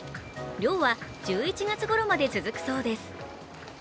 漁は１１月ごろまで続くそうです。